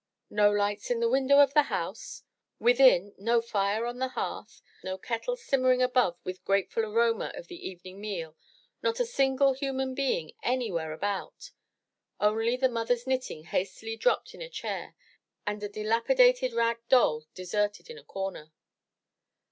No lights in the windows of the house! Within, no fire on the hearth, no kettle simmering above with grateful aroma of the evening meal, not a single human being anywhere about! Only the mother's knitting hastily dropped in a chair, and a dilapidated rag doll deserted in a comer!